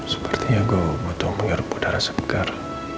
sepertinya gue butuh mengirup udara sebegar